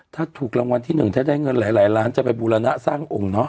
ถ้าถูกรางวัลที่๑ถ้าได้เงินหลายล้านจะไปบูรณะสร้างองค์เนาะ